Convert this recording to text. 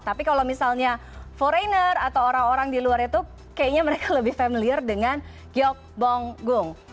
tapi kalau misalnya foreigner atau orang orang di luar itu kayaknya mereka lebih familiar dengan gyokbong gung